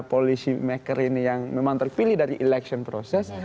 polisi maker ini yang memang terpilih dari election proses